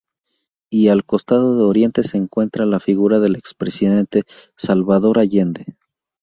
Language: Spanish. Y al costado de oriente se encuentra la figura del expresidente Salvador Allende.